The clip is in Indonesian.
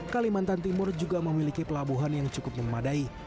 kalimantan timur juga memiliki pelabuhan yang cukup memadai